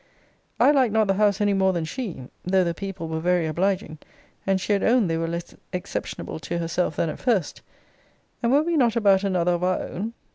I liked not the house any more than she: though the people were very obliging, and she had owned they were less exceptionable to herself than at first: And were we not about another of our own?